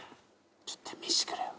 ちょっと見せてくれよ。